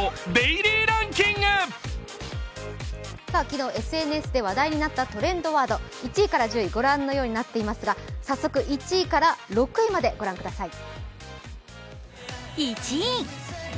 昨日、ＳＮＳで話題になったトレンドワード１位から１０位、ご覧のようになっていますが、早速、１位から６位までご覧ください。